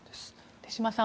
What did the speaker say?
手嶋さん